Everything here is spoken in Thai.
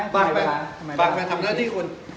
ปากไปทำเลขที่คุณ